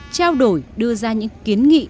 trao đổi đưa ra những kiến nghị